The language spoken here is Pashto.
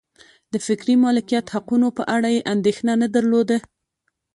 د فکري مالکیت حقونو په اړه یې اندېښنه نه درلوده.